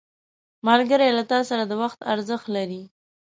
ملګری له تا سره د وخت ارزښت لري